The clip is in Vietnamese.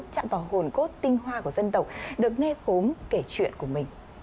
chạm vào hồn cốt tinh hoa của dân tộc được nghe khốm kể chuyện của mình